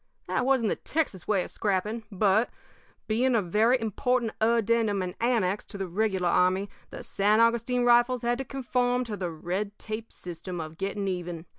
"That wasn't the Texas way of scrapping; but, being a very important addendum and annex to the regular army, the San Augustine Rifles had to conform to the red tape system of getting even.